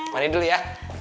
mandi dulu ya